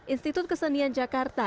institut kesenian jakarta